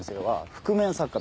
覆面作家？